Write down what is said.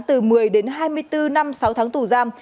từ một mươi đến hai mươi bốn năm sáu tháng tù giam